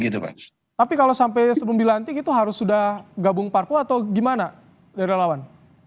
tapi kalau sampai sebelum dilantik itu harus sudah gabung parpo atau gimana dari relawan